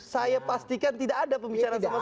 saya pastikan tidak ada pembicaraan sama sekali